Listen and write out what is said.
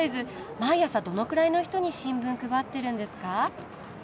毎朝どのくらいの人に新聞配ってるんですか？